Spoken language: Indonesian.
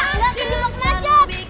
enggak sejamok ngajak